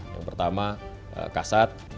yang pertama kasat